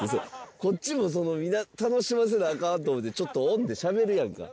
こっちも楽しませなあかんと思ってちょっとオンでしゃべるやんか。